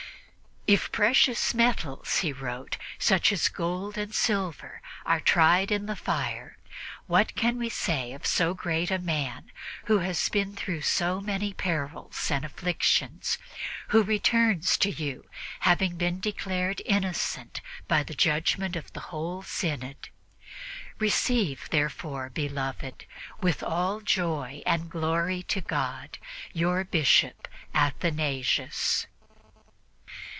"If precious metals," he wrote, "such as gold and silver, are tried in the fire, what can we say of so great a man, who has been through so many perils and afflictions, and who returns to you having been declared innocent by the judgment of the whole Synod? Receive, therefore, beloved, with all joy and glory to God, your Bishop Athanasius."